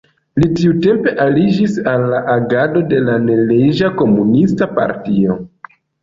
Li tiutempe aliĝis al la agado de la neleĝa komunista partio.